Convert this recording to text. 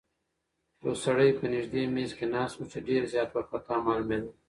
یو سړی په نږدې میز کې ناست و چې ډېر زیات وارخطا معلومېده.